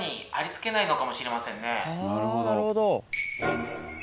なるほど。